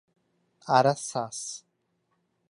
Araçás